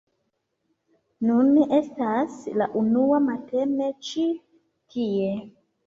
Nun estas la unua matene ĉi tie